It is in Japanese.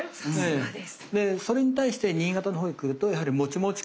そうです。